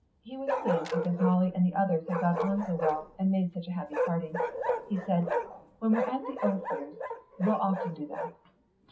He was pleased, because Molly and the others had got on so well and made such a happy party. He said, "When we're at the Osiers we'll often do that."